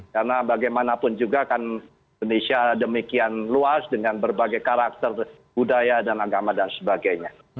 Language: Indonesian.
karena bagaimanapun juga kan indonesia demikian luas dengan berbagai karakter budaya dan agama dan sebagainya